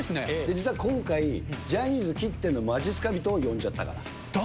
実は今回、ジャニーズきってのまじっすか人を呼んじゃっったから。